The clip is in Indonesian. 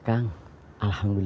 kalau nggak kita bisa berbual